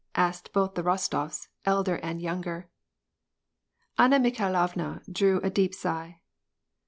asked both the Rostofs^ elder and iger. na Mikhailovna drew a deep sigh.